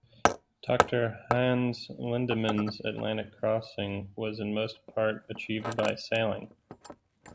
Doctor Hannes Lindemann's Atlantic crossing was in most part achieved by sailing.